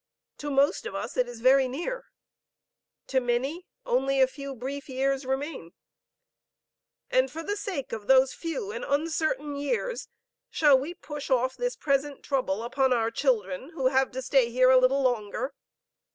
To most of us it is very near. To many, only a few brief years remain. And for the sake of these few and uncertain years, shall we push off this present trouble upon our children, who have to stay here a little longer?